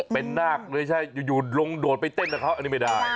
เป็นนาคเลยใช่อยู่ลงโดดไปเต้นกับเขาอันนี้ไม่ได้